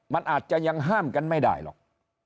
มันอาจจะยังห้ามกันไม่ได้หรอก